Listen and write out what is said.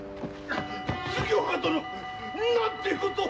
杉岡殿。なんてことを。